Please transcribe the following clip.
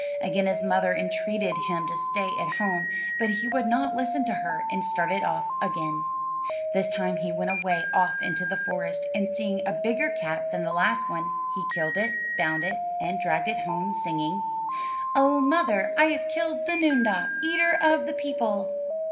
Again his mother entreated him to stay at home, but he would not listen to her, and started off again. This time he went away off into the forest, and seeing a bigger cat than the last one, he killed it, bound it, and dragged it home, singing, "Oh, mother, I have killed The noondah, eater of the people."